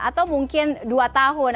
atau mungkin dua tahun